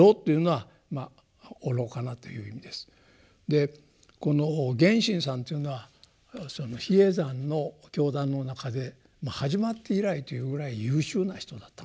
でこの源信さんというのは比叡山の教団の中で始まって以来というぐらい優秀な人だったんです。